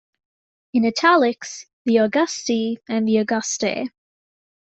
In "italics" the Augusti and the Augustae.